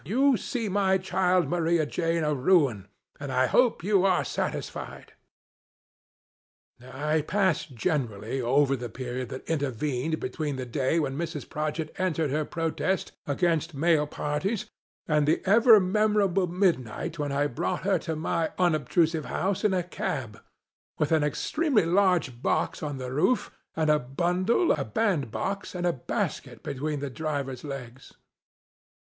You see my child, Maria Jane, a ruin, and I hope you are satisfied !" I pass, generally, over the period that intea vened between the day when Mrs. Prodgit entered her protest against male parties, and the ever memorable midnight' when I brought her to my unobtrusive home hi a cab, with an extremely large box on the roof, and a bundle, a bandbox, and a basket, between the driver's legs.